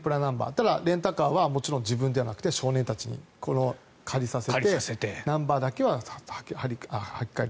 ただ、レンタカーは自分ではなくて少年たちに借りさせてナンバーだけは付け替える。